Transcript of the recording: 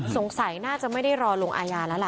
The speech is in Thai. สงสัยน่าจะไม่ได้รอลงอาญาแล้วล่ะ